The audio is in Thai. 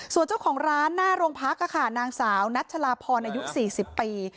ส่วนเจ้าของร้านหน้าโรงพักค่ะนางสาวนัชลาพรอายุ๔๐ปี